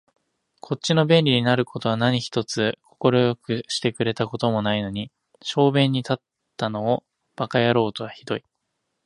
こっちの便利になる事は何一つ快くしてくれた事もないのに、小便に立ったのを馬鹿野郎とは酷い